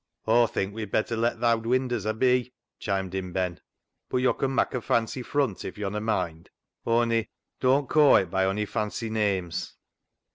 " Aw think we'd better let th' owd winders a' be," chimed in Ben ;" bud yo' con mak' a fancy frunt if yo'n a moind. On'y dooan't caw it by ony fancy names."